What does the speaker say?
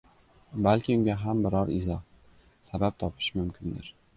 Balki unga ham biror izoh, sabab topish mumkindir.